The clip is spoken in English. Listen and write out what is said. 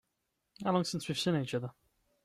How long since we've seen each other?